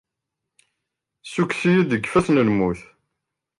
Ssukkes-iyi-d seg yifassen n lmut.